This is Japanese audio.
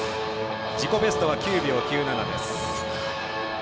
自己ベストは９秒９７。